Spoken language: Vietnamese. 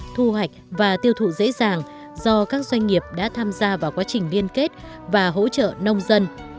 thu hoạch và tiêu thụ dễ dàng do các doanh nghiệp đã tham gia vào quá trình liên kết và hỗ trợ nông dân